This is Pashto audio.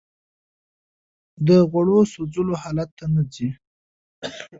د غوړو سوځولو حالت ته نه ځي